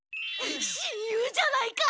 親友じゃないか！